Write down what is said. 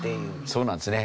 そうなんですね